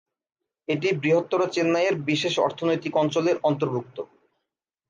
এটি বৃহত্তর চেন্নাইয়ের বিশেষ অর্থনৈতিক অঞ্চলের অন্তর্ভুক্ত।